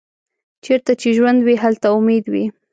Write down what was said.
چیرته چې ژوند وي، هلته امید وي.